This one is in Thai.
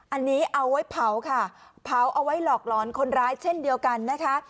อันนี้เอาไว้เผาค่ะเผาเอาไว้หลอกหลอนคนร้ายเช่นเดียวกันนะคะ